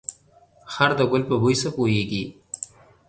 خر ده ګل په بوی څه پوهيږي.